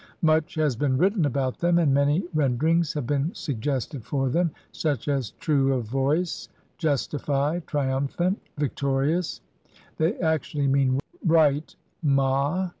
Much has been written about them, and many ren derings have been suggested for them, such as "true of voice", "justified", "triumphant", "victorious"; they actually mean "right" (mad.)